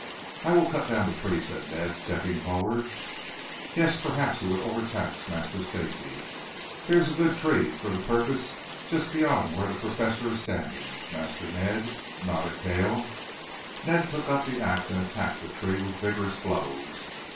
"I will cut down the tree," said Ned, stepping forward. "Yes, perhaps it would overtax Master Stacy. There is a good tree for the purpose just beyond where the Professor is standing, Master Ned," nodded Cale. Ned took up the axe and attacked the tree with vigorous blows.